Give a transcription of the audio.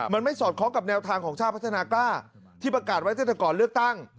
มันไม่สอดคล้องกับแนวทางของชาติพัฒนากล้าที่ประกาศไว้ตั้งแต่ก่อนเลือกตั้ง